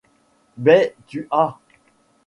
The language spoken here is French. Baie du Ha!